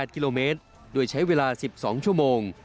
๘กิโลเมตรโดยใช้เวลา๑๒ชั่วโมง